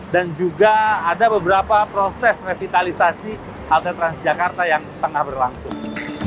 dan juga ada beberapa proses revitalisasi halte transjakarta yang tengah berlangsung